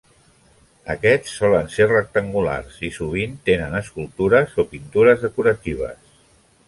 Aquests solen ser rectangulars i sovint tenen escultures o pintures decoratives.